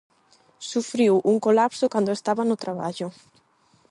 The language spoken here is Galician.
Sufriu un colapso cando estaba no traballo.